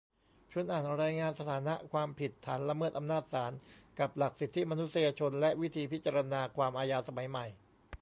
ชวนอ่านรายงาน "สถานะ 'ความผิดฐานละเมิดอำนาจศาล' กับหลักสิทธิมนุษยชนและวิธีพิจารณาความอาญาสมัยใหม่"